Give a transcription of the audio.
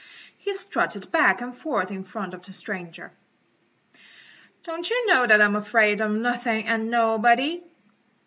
He strutted back and forth in front of the stranger. "Don't you know that I'm afraid of nothing and nobody?"